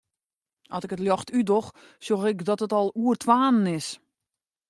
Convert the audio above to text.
At ik it ljocht útdoch, sjoch ik dat it al oer twaen is.